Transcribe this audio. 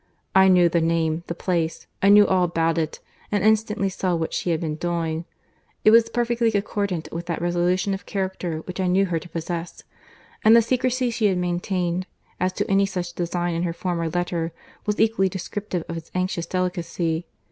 I knew the name, the place, I knew all about it, and instantly saw what she had been doing. It was perfectly accordant with that resolution of character which I knew her to possess; and the secrecy she had maintained, as to any such design in her former letter, was equally descriptive of its anxious delicacy.